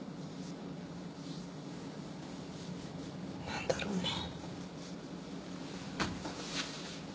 何だろうね。